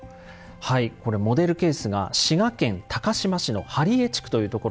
これモデルケースが滋賀県高島市の針江地区という所なんです。